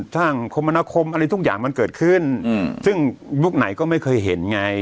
คมนาคมอะไรทุกอย่างมันเกิดขึ้นซึ่งยุคไหนก็ไม่เคยเห็นไง